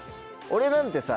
俺なんてさ